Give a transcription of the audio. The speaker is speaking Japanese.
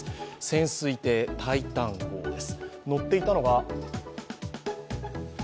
潜水艇「タイタン」号です。